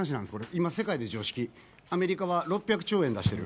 今、世界で常識、今、アメリカは６００兆円出してる。